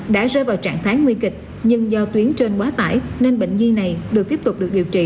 đã rơi vào trạng thái nguy kịch nhưng do tuyến trên quá tải nên bệnh nhi này được tiếp tục được điều trị